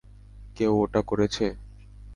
কেউ ওটা করেছে?